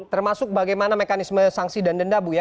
termasuk bagaimana mekanisme sanksi dan denda bu ya